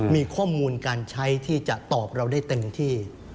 มีข้อมูลการใช้ที่จะตอบเราได้เต็มที่